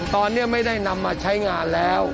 ตอนนี้ไม่ได้นำมาใช้งานแล้ว